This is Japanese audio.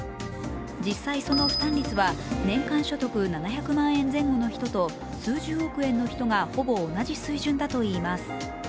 実際、その負担率は年間所得７００万円前後の人と数十億円の人がほぼ同じ水準だといいます。